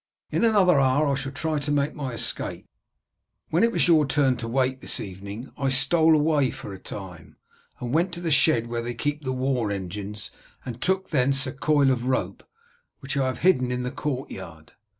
In another hour I shall try to make my escape. When it was your turn to wait this evening I stole away for a time, and went to the shed where they keep the war engines and took thence a coil of rope, which I have hidden in the courtyard.